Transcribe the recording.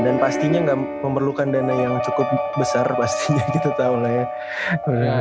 dan pastinya gak memerlukan dana yang cukup besar pastinya gitu tau lah ya